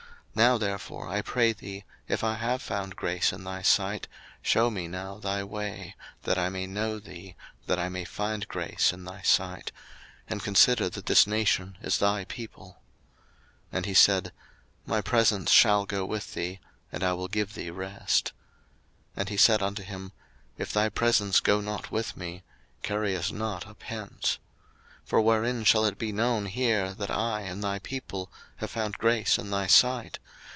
02:033:013 Now therefore, I pray thee, if I have found grace in thy sight, shew me now thy way, that I may know thee, that I may find grace in thy sight: and consider that this nation is thy people. 02:033:014 And he said, My presence shall go with thee, and I will give thee rest. 02:033:015 And he said unto him, If thy presence go not with me, carry us not up hence. 02:033:016 For wherein shall it be known here that I and thy people have found grace in thy sight?